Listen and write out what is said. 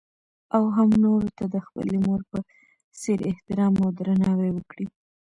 او هـم نـورو تـه د خـپلې مـور پـه څـېـر احتـرام او درنـاوى وکـړي.